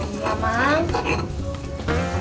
jangan melawan terus